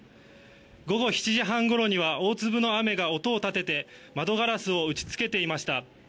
午後７時半ごろには大粒の雨が音を立てて窓ガラスを打ち付けていました。